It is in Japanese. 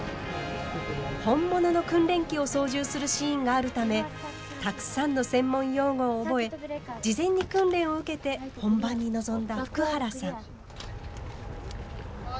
本物の訓練機を操縦するシーンがあるためたくさんの専門用語を覚え事前に訓練を受けて本番に臨んだ福原さん。